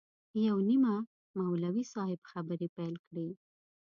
یو نیمه مولوي صاحب خبرې پیل کړې.